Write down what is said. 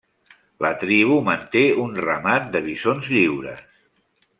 La tribu manté un ramat de bisons lliures.